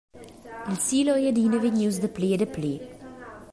Il silo ei adina vegnius dapli e dapli.